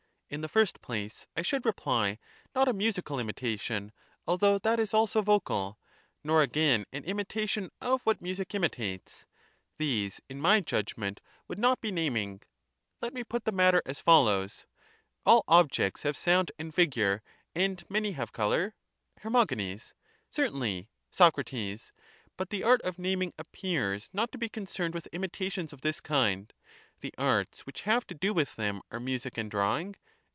In the first place, I should reply, not a musical imitation, although that is also vocal ; nor, again, an imitation of what music imitates ; these, in my judgment, would not be like that of a naming. Let me put the matter as follows: All objects have ^"^nte"""^' sound and figure, and many have colour? Her. Certainly. Soc. But the art of naming appears not to be concerned with imitations of this kind ; the arts which have to do with them are music and drawing?